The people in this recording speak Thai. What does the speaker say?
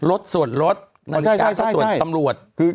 ลดส่วนลดนาฬิกาส่วนตำรวจ